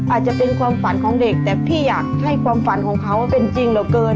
อาจจะเป็นความฝันของเด็กแต่พี่อยากให้ความฝันของเขาเป็นจริงเหลือเกิน